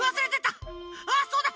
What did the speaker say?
あっそうだ！